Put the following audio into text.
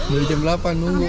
dari jam delapan nunggu